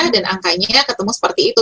dan angkanya ketemu seperti itu